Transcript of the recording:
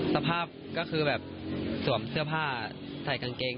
สภาพก็คือแบบสวมเสื้อผ้าใส่กางเกง